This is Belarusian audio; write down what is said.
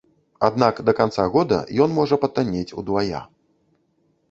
Аднак да канца года ён можа патаннець удвая.